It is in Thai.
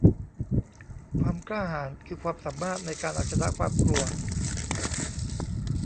ความกล้าหาญคือความสามารถในการเอาชนะความกลัว